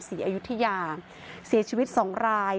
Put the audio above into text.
อายุทยาเสียชีวิตสองราย